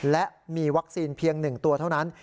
และมีวัคซีนเพียง๑ตัวเท่านั้น